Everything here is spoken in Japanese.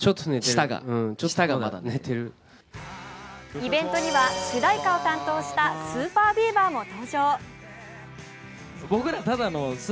イベントには主題歌を担当したＳＵＰＥＲＢＥＡＶＥＲも登場。